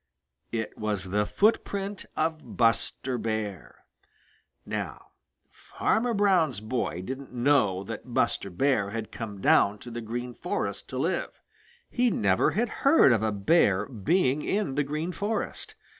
It was the footprint of Buster Bear. Now Farmer Brown's boy didn't know that Buster Bear had come down to the Green Forest to live. He never had heard of a Bear being in the Green Forest.